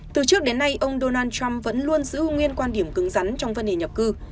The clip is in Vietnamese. từ trước đến nay ông donald trump vẫn luôn giữ nguyên quan điểm cứng rắn trong vấn đề nhập cư